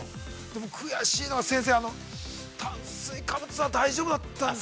悔しいのは、先生、炭水化物は大丈夫だったんですね。